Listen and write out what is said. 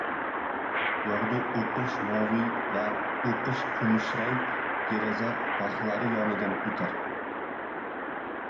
Yogʻdu oqish-moviy va oqish-kumushrang deraza raxlari yonidan oʻtar